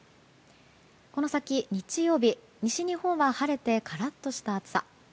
この先、日曜日西日本は晴れてカラッとした暑さ。